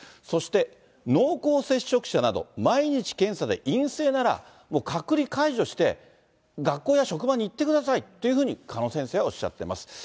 そして、濃厚接触者など毎日検査で陰性なら隔離解除して、学校や職場に行ってくださいっていうふうに鹿野先生はおっしゃっています。